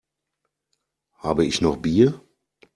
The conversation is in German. Habe ich noch Bier?